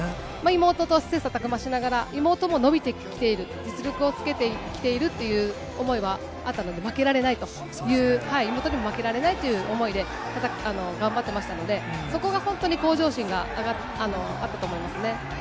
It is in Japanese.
妹と切さたく磨しながら、妹も伸びてきている、実力をつけてきているという思いはあったので、負けられないという妹にも負けられないという思いで、また頑張ってましたので、そこが本当に向上心があったと思いますね。